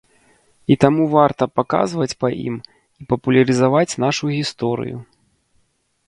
І таму варта паказваць па ім і папулярызаваць нашу гісторыю.